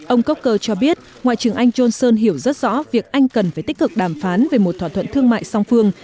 ông koker cho biết ngoại trưởng anh johnson hiểu rất rõ việc anh cần phải tích cực đàm phán về một thỏa thuận thương mại song phương